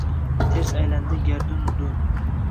Ters aylandi garduni dun